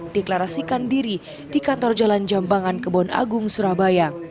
deklarasikan diri di kantor jalan jambangan kebon agung surabaya